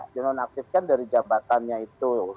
di nonaktifkan dari jabatannya itu